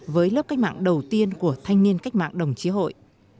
với lớp cách mạng đầu tiên của thanh niên cách mạng đồng chí hội